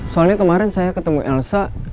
soalnya kemarin saya ketemu elsa